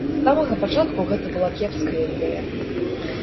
З самага пачатку гэта была кепская ідэя.